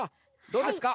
どうですか？